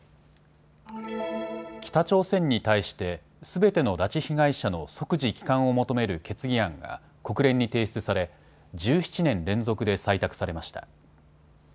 北朝鮮に対してすべての拉致被害者の即時帰還を求める決議案が国連に提出され１７年連続で採択されました。